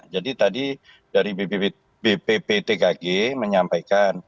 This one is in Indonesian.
jadi tadi dari bpbd kg menyampaikan